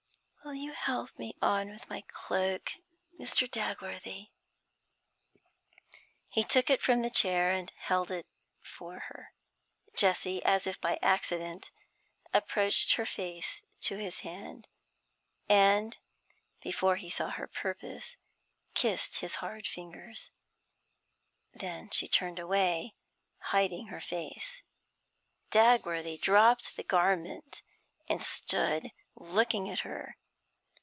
'Will you help me on with my cloak, Mr. Dagworthy?' He took it from the chair, and held it for her. Jessie, as if by accident, approached her face to his hand, and, before he saw her purpose, kissed his hard fingers. Then she turned away, hiding her face. Dagworthy dropped the garment, and stood looking at her.